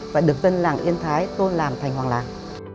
và được dân làng yên thái tôi làm thành hoàng làng